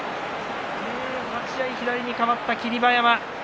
立ち合い、左に変わった霧馬山。